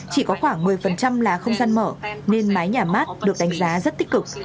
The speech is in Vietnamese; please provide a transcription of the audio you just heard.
chỉ có khoảng một mươi là không gian mở nên mái nhà mát được đánh giá rất tích cực